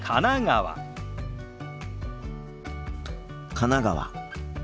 神奈川。